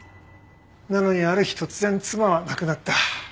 なのにある日突然妻は亡くなった。